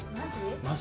マジ？